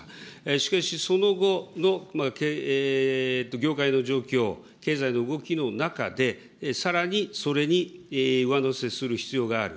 しかし、その後の業界の状況、経済の動きの中で、さらにそれに上乗せする必要がある。